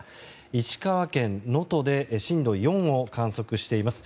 石川県能登で震度４を観測しています。